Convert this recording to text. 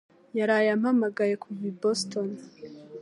yaraye ampamagaye kuva i Boston.